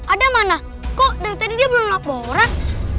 ada mana kok dari tadi dia belum laporan